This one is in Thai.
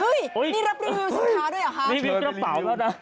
เฮ้ยนี่รับรีวิวสินค้าด้วยหรือคะ